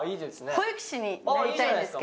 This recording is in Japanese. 保育士になりたいんですけど。